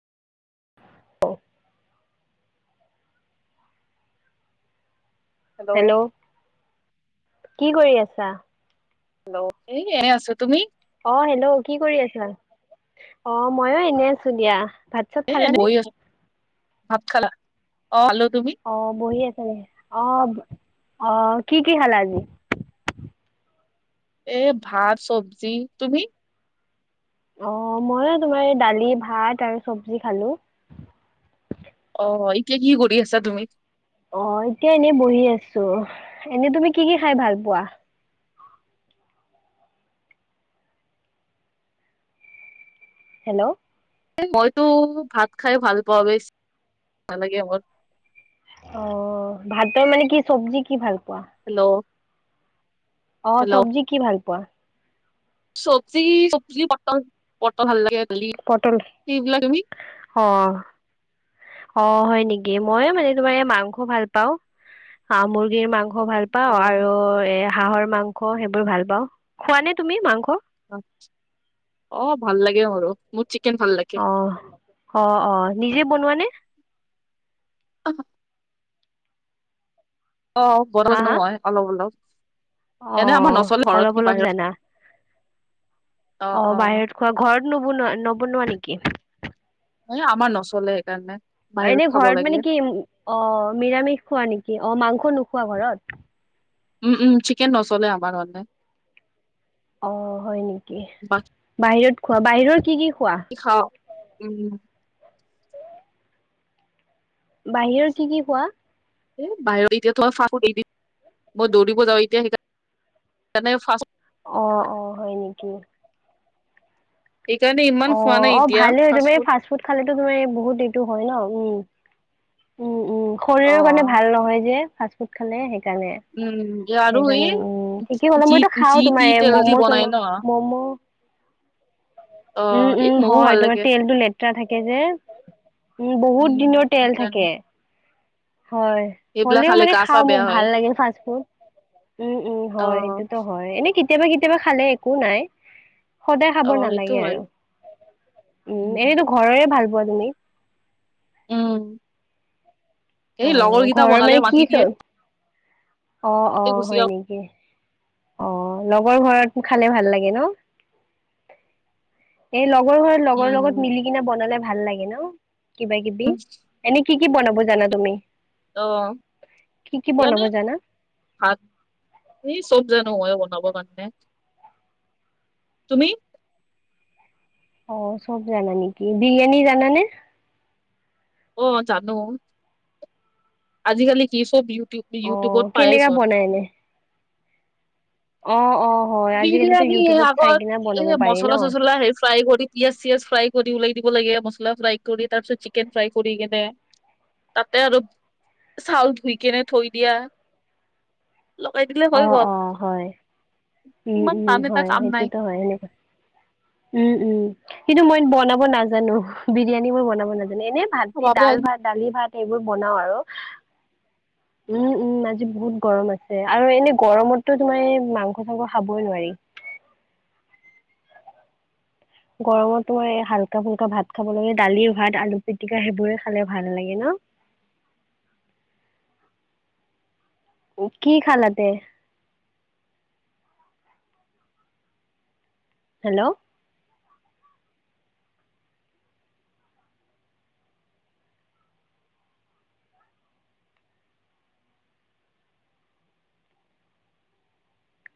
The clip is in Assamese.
হেল্ল' কি কৰি আছা? হেল্ল' এই এনেই আছো, তুমি? অ হেল্ল' কি কৰি আছিলা? অ ময়ো এনেই আছো দিয়া। ভাত চাত এ' খালানে? বহি আছো। ভাত খালা? অ খালো। তুমি? অ, বহি আছিলো। অ, অ কি কি খালা আজি? এ' ভাত চব্জি। তুমি? অ, ময়ো তোমাৰ এই দালি ভাত আৰু চব্জি খালো। অ, এতিয়া কি কৰি আছা তুমি? অ, এতিয়া এনেই বহি আচিলো। এনেই তুমি কি কি খাই ভাল পোৱা? হেল্ল'। মই টো, ভাত খায়ে ভাল পাওঁ বে, নালাগে মোৰ। অ, ভাতৰ মানে কি চব্জি কি ভাল পোৱা? হেল্ল'। অ, হেল্ল' চব্জি কি ভাল পোৱা? চব্জি, চব্জি পটল পটল ভাল লাগে। পটল সেইবিলাকে, অ- অ, হয় নেকি? মই মানে তোমাৰ এই মাংস ভাল পাওঁ। হাঁহ মুৰ্গীৰ মাংস ভাল অ পাওঁ আৰু এ হাঁহৰ মাংস সেইবোৰ ভাল পাওঁ। খোৱা নে তুমি মাংস? অ, ভাল লাগে মোৰো। মোৰ চিকেন ভাল লাগে। অ-অ-অ নিজেই বনোৱা নে? [inaudible] অ, হা হা নহয়, অলপ- অলপ এনে আমাৰ অ', নচলে অলপ ঘৰত, কি অলপ বাহিৰত জানা অ, বাহিৰত খোৱা, ঘৰত নবনোৱা- নবনোৱা নেকি? এ আমাৰ নচলে সেইকাৰণে। বাহিৰত এনেই খাব ঘৰত লাগে মানে কি অ, নিৰামিষ খোৱা নেকি? অ, মাংস নোখোৱা ঘৰত? উম- উম, চিকেন নচলে আমাৰ হ'লে। অ, হয় নেকি, বা বাহিৰত খোৱা বাহিৰৰ কি কি খোৱা? খাওঁ, উম। বাহিৰৰ কি কি খোৱা? এ বাহিৰত এতিয়া [unintelligible] মই দৌৰিব যাওঁ এতিয়া সেইকাৰণে [inaudible] অ- অ হয় নেকি। সেইকাৰণে ইম অ- অ ভালেই হয়, তোমাৰ এই ফাষ্ট ফুড খালেটো তোমাৰ এই বহুত এইটো হয় ন, উম। উম- উম শৰীৰৰ কাৰণে অ'। ভাল নহয় যে ফাষ্ট ফুড খালে সেইকাৰণে। উম, আৰু এই সেইকাৰণে উম, ঠিকেই হ'লে যি মইটো যি খাওঁ টি তোমাৰ এই তেল দি ম'ম' চম' বনাই ন। ম'ম' অ', উম- এই উম মমো হয়, ভাল তোমাৰ লাগে তেলটো লেতৰা থাকে যে। উম, বহুত দিনৰ তেল থাকে। হয়। সেইবিলাক হ'লেও খালে মানে গা চা খাওঁ মোক বেয়া হয়। ভাল লাগে ফাষ্ট ফুড। উম- উম হয় অ', সেইটোতো হয়। এনে কেত কেতিয়াবা- কেতিয়াবা খালে একো নাই। সদায় খাব অ', সেইটো নালাগে হয় আৰু। উম, উম, এনেতো ঘৰৰে ভাল পোৱা তুমি। উম, এই অ', লগৰকিটা ঘৰৰ মানে বনালে কি মাতি চ দিয়ে। অ- অ, তাতে গুচি হয় আহো নেকি, অ লগৰ ঘৰত খালে ভাল লাগে ন। এ লগৰ ঘৰত, লগৰ লগত উম, মিলি কিনে বনালে ভাল লাগে ন কিবা- কিবি। এনেই কি কি বনাব জানা তুমি? অ, কি কি জানো বনাব জানা? ভাত, এই চব জানো, মই বনাবৰ কাৰণে। তুমি? অ, চব জানা নেকি, বিৰিয়ানী জানানে? অ, জানো। আজিকালি কি চব ইউটিউ- অ ইউটিউবত কেনেকা পায়েচোন। বনাই এনে? অ- অ। হয় আজিকালিতো বিৰিয়ানী এ ইউটিউবত চাই আগত, কিনে বনাব এ পাৰি ন। মচলা- চচলা হে ফ্ৰাই কৰি পিয়াঁজ-চিয়াজ ফ্ৰাই কৰি ওলাই দিব লাগে মছলা ফ্ৰাই কৰি তাৰ পিছত চিকেন ফ্ৰাই কৰি কিনে তাতে আৰু চাউল ধুই কেনে থৈ দিয়া। লগাই দিলে হৈ অ- গ'ল অ হয়, উম- ইমান টান উম এটা হয় কাম নাই সেইটোতো হয় এনেকোৱা। উম- উম কিন্তু মই বনাব নাজানো, বিৰিয়ানী মই বনাব নাজানো। এনে ভাত দি বাপৰে দাল- ভাত- দালি- ভাত এইবোৰ বনাও আৰু। উম- উম, আজি বহুত গৰম আছে আৰু এনেই গৰমততো তোমাৰ এই মাংস - চাংস খাবই নোৱাৰি। গৰমত মই হালকা ফুলকা ভাত খাব লাগে দালিৰ, ভাত, আলু পিটিকা হেইবোৰে খালে ভাল লাগে ন? কি খালাতে? হেল্ল'।